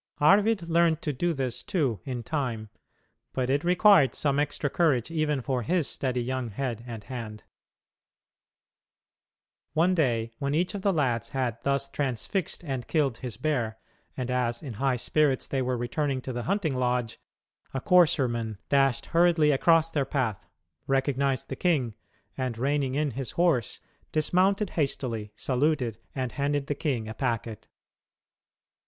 Arvid learned to do this, too, in time, but it required some extra courage even for his steady young head and hand. One day, when each of the lads had thus transfixed and killed his bear, and as, in high spirits, they were returning to the hunting lodge, a courserman dashed hurriedly across their path, recognized the king, and reining in his horse, dismounted hastily, saluted, and handed the king a packet.